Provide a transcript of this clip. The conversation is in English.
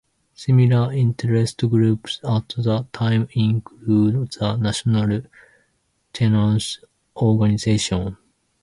Similar interest groups at the time include the National Tenants Organization.